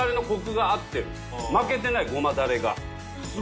負けてないごまダレが。